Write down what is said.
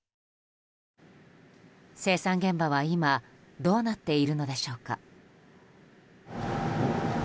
生産現場は今どうなっているのでしょうか。